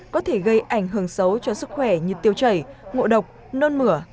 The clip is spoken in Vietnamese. có thể gây ảnh hưởng xấu cho sức khỏe như tiêu chảy ngộ độc nôn mửa